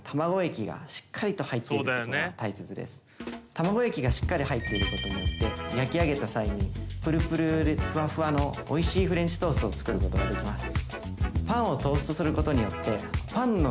卵液がしっかり入っていることによって焼き上げた際にぷるぷるふわふわのおいしいフレンチトーストを作ることができます。